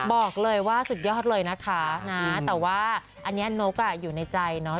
บอกเลยว่าสุดยอดเลยนะคะนะแต่ว่าอันนี้นกอยู่ในใจเนาะ